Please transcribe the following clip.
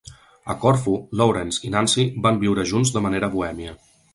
A Corfu, Lawrence i Nancy van viure junts de manera bohèmia.